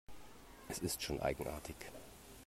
Es ist schon eigenartig.